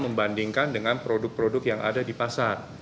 membandingkan dengan produk produk yang ada di pasar